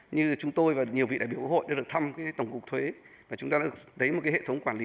như chúng tôi và nhiều vị đại biểu hội đã được thăm tổng cục thuế và chúng ta đã được thấy một hệ thống quản lý